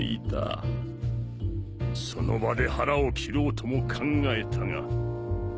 その場で腹を切ろうとも考えたが。